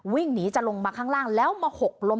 วิ่งหนีจะลงมาข้างล่างแล้วมาหกล้ม